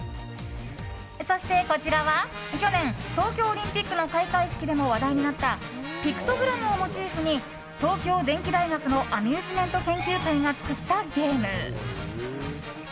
そして、こちらは去年東京オリンピックの開会式でも話題になったピクトグラムをモチーフに東京電機大学のアミューズメント研究会が作ったゲーム。